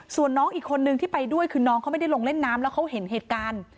ส่วนน้องอีกคนนึงที่ไปด้วยคือน้องเขาไม่ได้ลงเล่นน้ำแล้วเขาเห็นเหตุการณ์